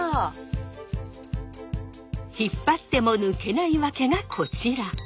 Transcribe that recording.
引っ張っても抜けない訳がこちら。